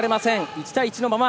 １対１のまま。